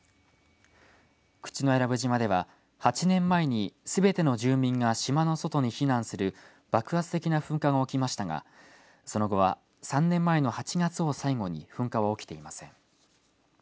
口永良部島では８年前にすべての住民が島の外に避難する爆発的な噴火が起きましたがその後は３年前の８月を最後に噴火は起きていません。